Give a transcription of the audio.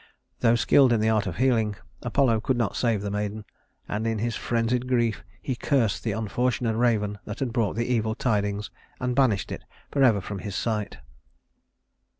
Though skilled in the art of healing, Apollo could not save the maiden; and in his frenzied grief he cursed the unfortunate raven that had brought the evil tidings, and banished it forever from his sight.